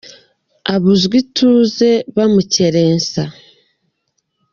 Abuzwa ituze bamukerensa